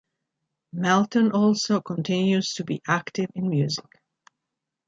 Melton also continues to be active in music.